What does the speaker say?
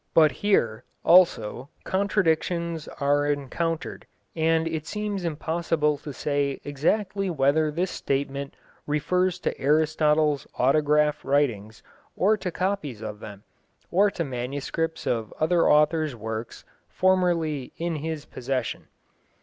But here, also, contradictions are encountered, and it seems impossible to say exactly whether this statement refers to Aristotle's autograph writings, or to copies of them, or to manuscripts of other authors' works formerly in his possession.